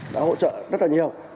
đã hỗ trợ rất là nhiều